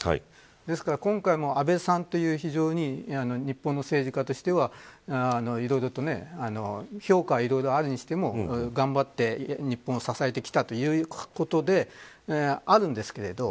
ですから今回も、安倍さんという日本の政治家としていろいろと評価はあるにしても頑張って日本を支えてきたということであるんですけれど